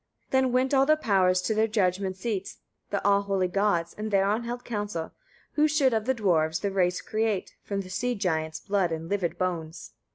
9. Then went all the powers to their judgment seats, the all holy gods, and thereon held council, who should of the dwarfs the race create, from the sea giant's blood and livid bones.